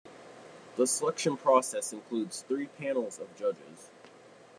The selection process includes three panels of judges.